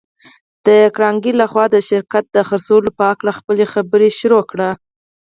د کارنګي لهخوا د شرکت د خرڅلاو په هکله خپلې خبرې پيل کړې.